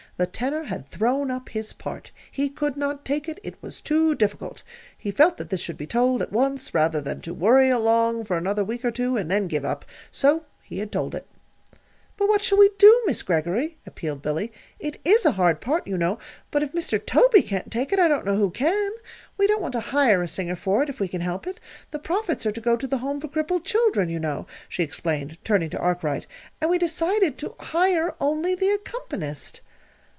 The tenor had thrown up his part. He could not take it; it was too difficult. He felt that this should be told at once rather than to worry along for another week or two, and then give up. So he had told it. "But what shall we do, Miss Greggory?" appealed Billy. "It is a hard part, you know; but if Mr. Tobey can't take it, I don't know who can. We don't want to hire a singer for it, if we can help it. The profits are to go to the Home for Crippled Children, you know," she explained, turning to Arkwright, "and we decided to hire only the accompanist."